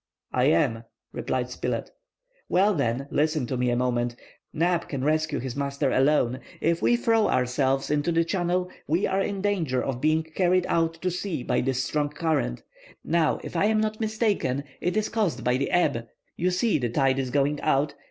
"I am," replied Spilett. "Well, then, listen to me a moment. Neb can rescue his master alone. If we throw ourselves into the channel we are in danger of being carried out to sea by this strong current. Now, if I am not mistaken it is caused by the ebb. You see the tide is going out.